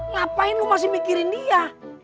ngapain lu masih mikirin dia